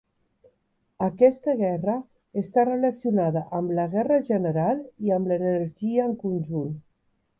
Aquesta guerra està relacionada amb la guerra general i amb l'energia en conjunt.